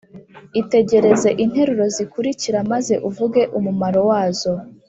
itegereze interuro zikurikira maze uvuge umumaro wazo